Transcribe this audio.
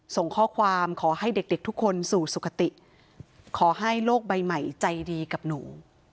ส่งข้อความขอให้เด็กทุกคนสู่สุขติขอให้โลกใบใหม่ใจดีกับหนู